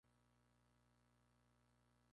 Los frutos marrones son indehiscentes.